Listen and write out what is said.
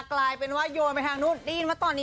กลายเป็นว่ายวนไปทางนู้น